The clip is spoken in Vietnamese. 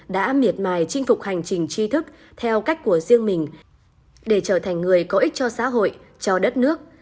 đã miệt mài chinh phục hành trình chi thức theo cách của riêng mình để trở thành người có ích cho xã hội cho đất nước